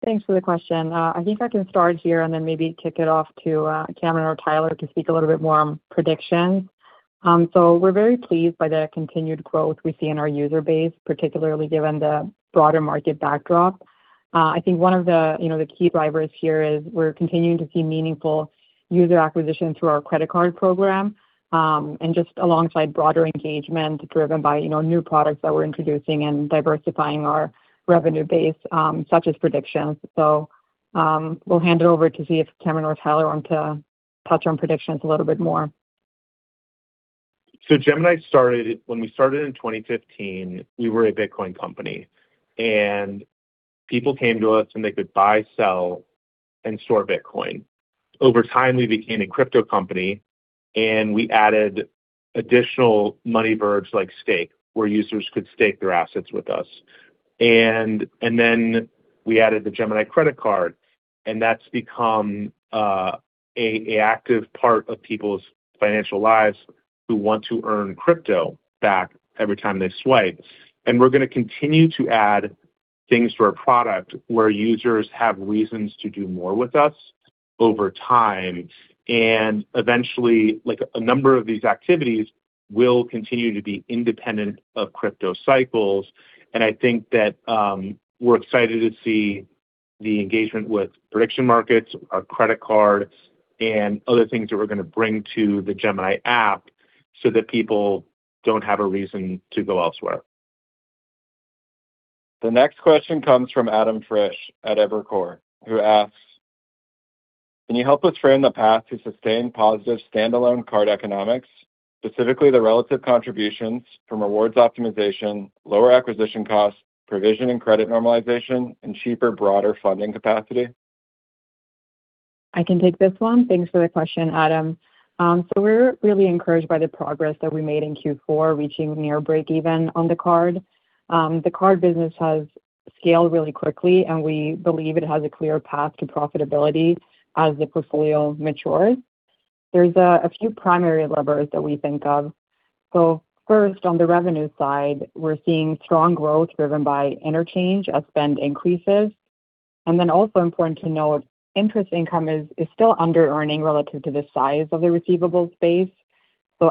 Speaker 4: Thanks for the question. I think I can start here and then maybe kick it off to Cameron or Tyler to speak a little bit more on predictions. We're very pleased by the continued growth we see in our user base, particularly given the broader market backdrop. I think one of the, you know, the key drivers here is we're continuing to see meaningful user acquisition through our credit card program, and just alongside broader engagement driven by, you know, new products that we're introducing and diversifying our revenue base, such as predictions. We'll hand it over to see if Cameron or Tyler want to touch on predictions a little bit more.
Speaker 3: When we started in 2015, we were a Bitcoin company, and people came to us, and they could buy, sell, and store Bitcoin. Over time, we became a crypto company, and we added additional money verbs like staking, where users could stake their assets with us. Then we added the Gemini Credit Card, and that's become an active part of people's financial lives who want to earn crypto back every time they swipe. We're gonna continue to add things to our product where users have reasons to do more with us over time. Eventually, like, a number of these activities will continue to be independent of crypto cycles. I think that we're excited to see the engagement with prediction markets, our credit card, and other things that we're gonna bring to the Gemini app so that people don't have a reason to go elsewhere.
Speaker 2: The next question comes from Adam Frisch at Evercore, who asks, "Can you help us frame the path to sustained positive standalone card economics, specifically the relative contributions from rewards optimization, lower acquisition costs, provision and credit normalization, and cheaper, broader funding capacity?
Speaker 4: I can take this one. Thanks for the question, Adam. We're really encouraged by the progress that we made in Q4, reaching near breakeven on the card. The card business has scaled really quickly, and we believe it has a clear path to profitability as the portfolio matures. There's a few primary levers that we think of. First, on the revenue side, we're seeing strong growth driven by interchange as spend increases. Then also important to note, interest income is still underearning relative to the size of the receivables base.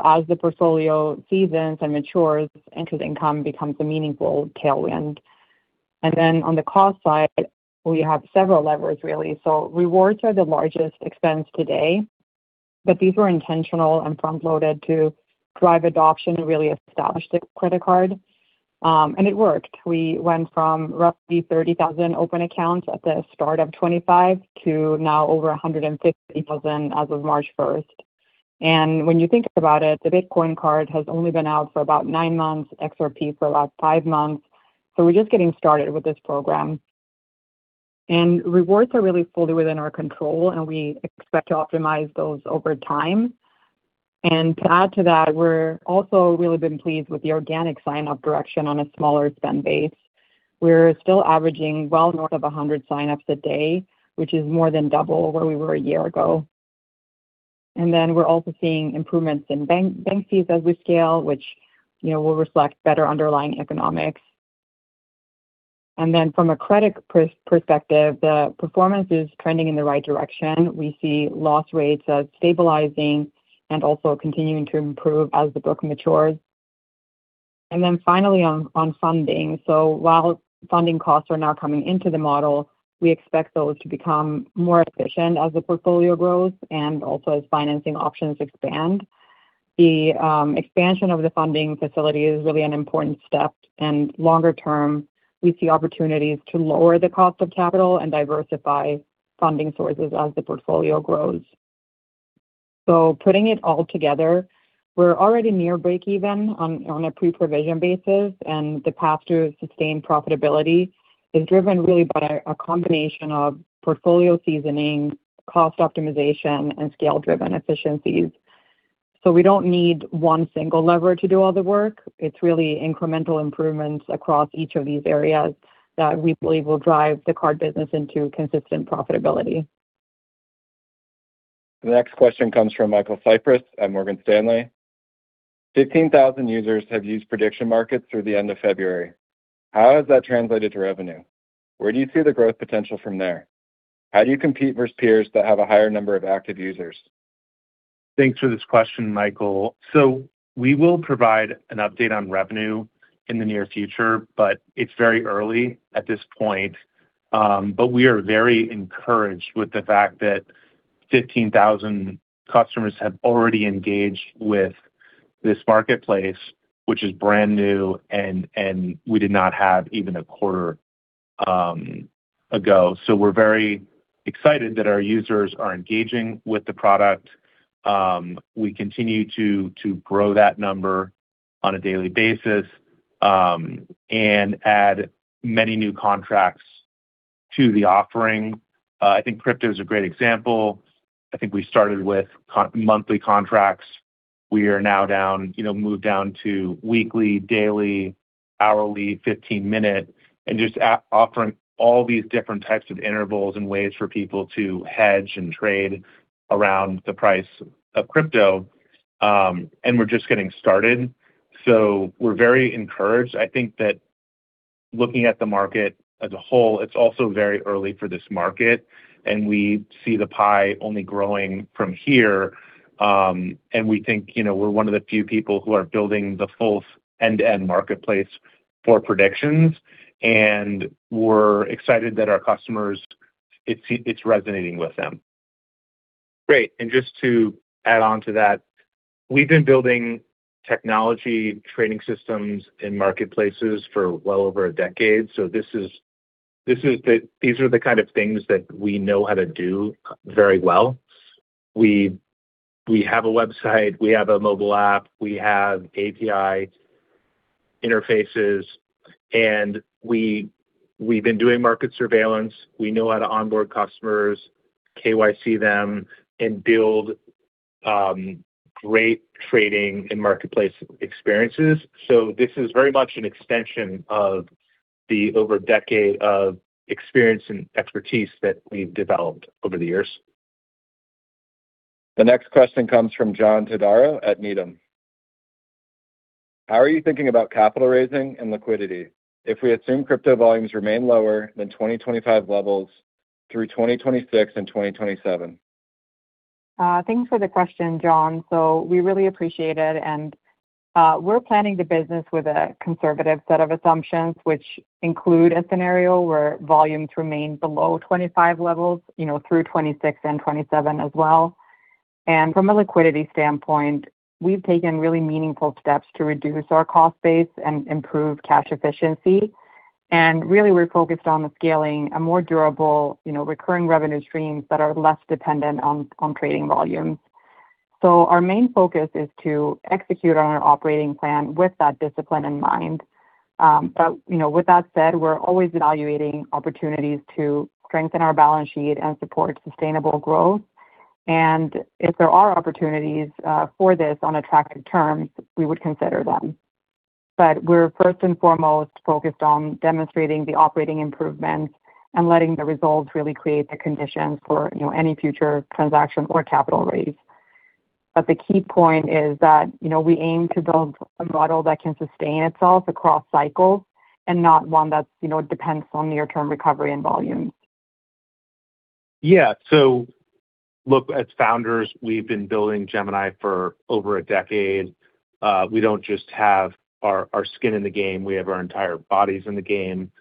Speaker 4: As the portfolio seasons and matures, interest income becomes a meaningful tailwind. Then on the cost side, we have several levers really. Rewards are the largest expense today, but these were intentional and front-loaded to drive adoption and really establish the credit card. It worked. We went from roughly 30,000 open accounts at the start of 2025 to now over 150,000 as of March 1. When you think about it, the Bitcoin card has only been out for about nine months, XRP for about five months. We're just getting started with this program. Rewards are really fully within our control, and we expect to optimize those over time. To add to that, we're also really been pleased with the organic sign-up traction on a smaller spend base. We're still averaging well north of 100 sign-ups a day, which is more than double where we were a year ago. We're also seeing improvements in bank fees as we scale, which, you know, will reflect better underlying economics. From a credit perspective, the performance is trending in the right direction. We see loss rates as stabilizing and also continuing to improve as the book matures. Finally on funding. While funding costs are now coming into the model, we expect those to become more efficient as the portfolio grows and also as financing options expand. The expansion of the funding facility is really an important step, and longer term, we see opportunities to lower the cost of capital and diversify funding sources as the portfolio grows. Putting it all together, we're already near breakeven on a pre-provision basis, and the path to sustained profitability is driven really by a combination of portfolio seasoning, cost optimization, and scale-driven efficiencies. We don't need one single lever to do all the work. It's really incremental improvements across each of these areas that we believe will drive the card business into consistent profitability.
Speaker 2: The next question comes from Michael Cyprys at Morgan Stanley. 15,000 users have used prediction markets through the end of February. How has that translated to revenue? Where do you see the growth potential from there? How do you compete versus peers that have a higher number of active users?
Speaker 3: Thanks for this question, Michael. We will provide an update on revenue in the near future, but it's very early at this point. We are very encouraged with the fact that 15,000 customers have already engaged with this marketplace, which is brand new and we did not have even a quarter ago. We're very excited that our users are engaging with the product. We continue to grow that number on a daily basis and add many new contracts to the offering. I think crypto is a great example. I think we started with monthly contracts. We are now down, you know, moved down to weekly, daily, hourly, 15-minute, and just offering all these different types of intervals and ways for people to hedge and trade around the price of crypto. We're just getting started. We're very encouraged. I think that looking at the market as a whole, it's also very early for this market, and we see the pie only growing from here. We think, you know, we're one of the few people who are building the full end-to-end marketplace for predictions, and we're excited that our customers, it's resonating with them. Great. Just to add on to that, we've been building technology trading systems in marketplaces for well over a decade. These are the kind of things that we know how to do very well. We have a website, we have a mobile app, we have API interfaces, and we've been doing market surveillance. We know how to onboard customers, KYC them, and build great trading and marketplace experiences. This is very much an extension of the over a decade of experience and expertise that we've developed over the years.
Speaker 2: The next question comes from John Todaro at Needham. How are you thinking about capital raising and liquidity if we assume crypto volumes remain lower than 2025 levels through 2026 and 2027?
Speaker 4: Thanks for the question, John. We really appreciate it, and we're planning the business with a conservative set of assumptions, which include a scenario where volumes remain below 25 levels, you know, through 2026 and 2027 as well. From a liquidity standpoint, we've taken really meaningful steps to reduce our cost base and improve cash efficiency. Really, we're focused on the scaling a more durable, you know, recurring revenue streams that are less dependent on trading volumes. Our main focus is to execute on our operating plan with that discipline in mind. You know, with that said, we're always evaluating opportunities to strengthen our balance sheet and support sustainable growth. If there are opportunities for this on attractive terms, we would consider them. We're first and foremost focused on demonstrating the operating improvements and letting the results really create the conditions for, you know, any future transaction or capital raise. The key point is that, you know, we aim to build a model that can sustain itself across cycles and not one that's, you know, depends on near-term recovery and volumes.
Speaker 3: Yeah. Look, as founders, we've been building Gemini for over a decade. We don't just have our skin in the game, we have our entire bodies in the game.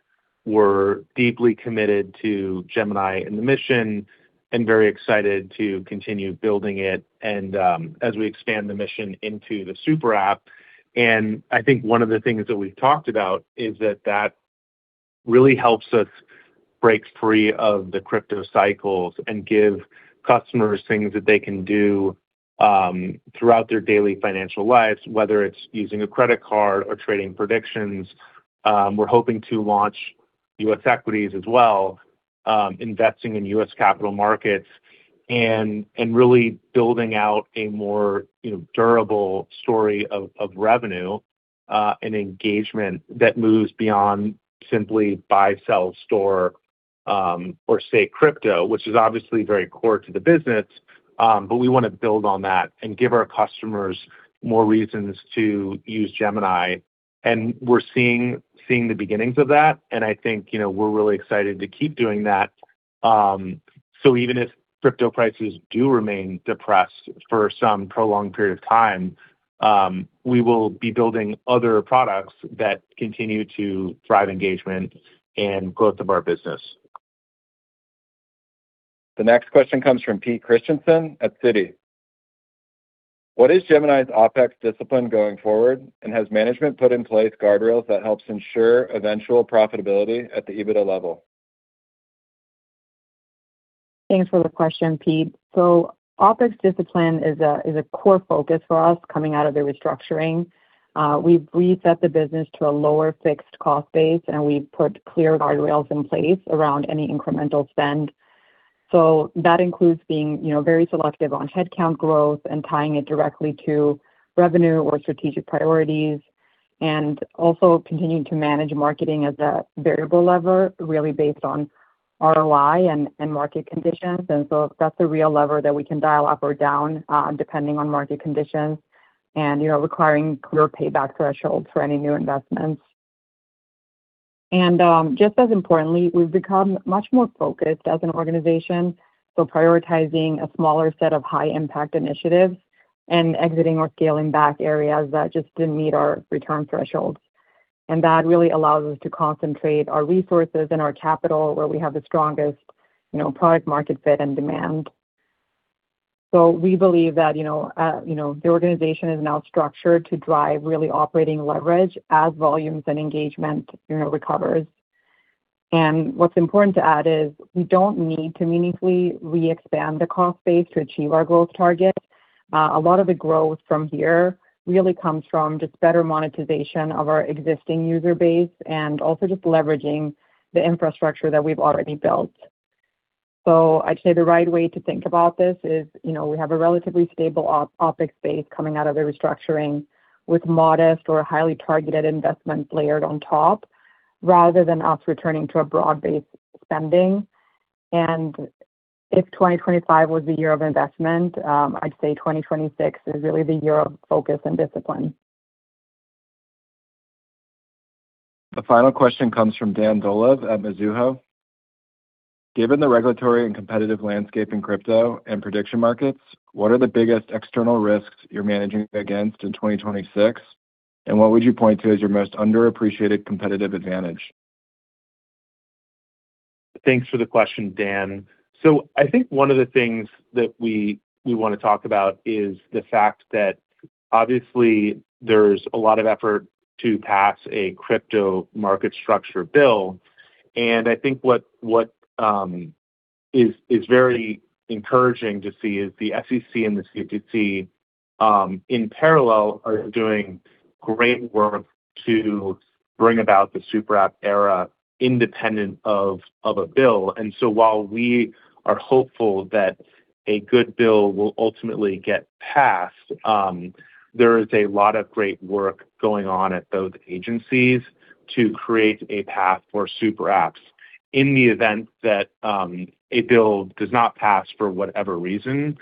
Speaker 3: We're deeply committed to Gemini and the mission and very excited to continue building it and as we expand the mission into the super app. I think one of the things that we've talked about is that that really helps us break free of the crypto cycles and give customers things that they can do throughout their daily financial lives, whether it's using a credit card or trading predictions. We're hoping to launch U.S. equities as well, investing in U.S. capital markets and really building out a more, you know, durable story of revenue and engagement that moves beyond simply buy, sell, store, or say crypto, which is obviously very core to the business. We wanna build on that and give our customers more reasons to use Gemini. We're seeing the beginnings of that, and I think, you know, we're really excited to keep doing that. Even if crypto prices do remain depressed for some prolonged period of time, we will be building other products that continue to drive engagement and growth of our business.
Speaker 2: The next question comes from Peter Christensen at Citi. What is Gemini's OpEx discipline going forward, and has management put in place guardrails that helps ensure eventual profitability at the EBITDA level?
Speaker 4: Thanks for the question, Pete. OpEx discipline is a core focus for us coming out of the restructuring. We've reset the business to a lower fixed cost base, and we've put clear guardrails in place around any incremental spend. That includes being, you know, very selective on headcount growth and tying it directly to revenue or strategic priorities, and also continuing to manage marketing as a variable lever really based on ROI and market conditions. That's a real lever that we can dial up or down, depending on market conditions. You know, requiring clear payback thresholds for any new investments. Just as importantly, we've become much more focused as an organization. Prioritizing a smaller set of high-impact initiatives and exiting or scaling back areas that just didn't meet our return thresholds. That really allows us to concentrate our resources and our capital where we have the strongest, you know, product market fit and demand. We believe that, you know, the organization is now structured to drive really operating leverage as volumes and engagement, you know, recovers. What's important to add is we don't need to meaningfully re-expand the cost base to achieve our growth target. A lot of the growth from here really comes from just better monetization of our existing user base and also just leveraging the infrastructure that we've already built. I'd say the right way to think about this is, you know, we have a relatively stable OpEx base coming out of the restructuring with modest or highly targeted investments layered on top rather than us returning to a broad-based spending. If 2025 was the year of investment, I'd say 2026 is really the year of focus and discipline.
Speaker 2: The final question comes from Dan Dolev at Mizuho. Given the regulatory and competitive landscape in crypto and prediction markets, what are the biggest external risks you're managing against in 2026, and what would you point to as your most underappreciated competitive advantage?
Speaker 3: Thanks for the question, Dan. I think one of the things that we wanna talk about is the fact that obviously there's a lot of effort to pass a crypto market structure bill, and I think what is very encouraging to see is the SEC and the CFTC in parallel are doing great work to bring about the super app era independent of a bill. While we are hopeful that a good bill will ultimately get passed, there is a lot of great work going on at both agencies to create a path for super apps in the event that a bill does not pass for whatever reason.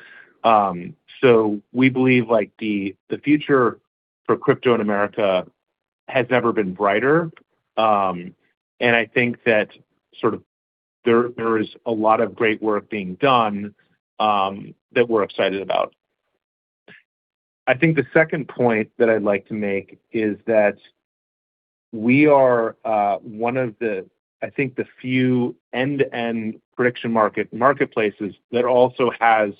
Speaker 3: We believe, like, the future for crypto in America has never been brighter. I think there is a lot of great work being done that we're excited about. I think the second point that I'd like to make is that we are one of the, I think, the few end-to-end prediction market marketplaces that also has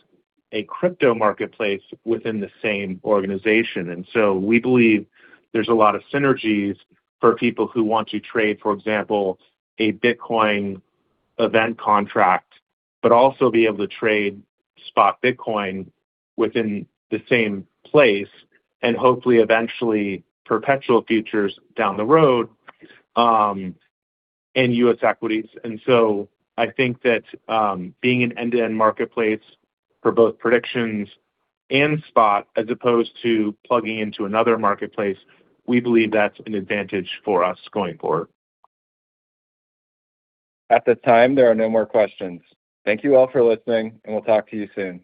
Speaker 3: a crypto marketplace within the same organization. We believe there's a lot of synergies for people who want to trade, for example, a Bitcoin event contract, but also be able to trade spot Bitcoin within the same place, and hopefully eventually perpetual futures down the road, and U.S. equities. I think that being an end-to-end marketplace for both predictions and spot as opposed to plugging into another marketplace, we believe that's an advantage for us going forward.
Speaker 2: At this time, there are no more questions. Thank you all for listening, and we'll talk to you soon.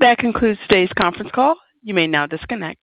Speaker 1: That concludes today's conference call. You may now disconnect.